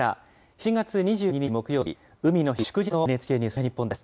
７月２２日木曜日、海の日、祝日のＮＨＫニュースおはよう日本です。